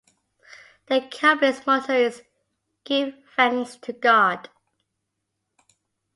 The Company's motto is "Give Thanks To God".